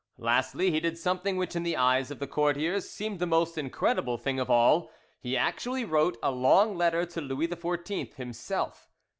Lastly, he did something which in the eyes of the courtiers seemed the most incredible thing of all, he actually wrote a long letter to Louis XIV himself.